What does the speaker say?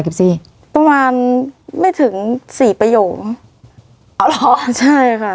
สิบสี่ประมาณไม่ถึงสี่ประโยคอ๋อเหรอใช่ค่ะ